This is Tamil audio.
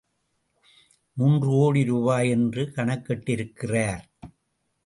மூன்று கோடி ரூபாய் என்று கணக்கிட்டிருக்கிறார்.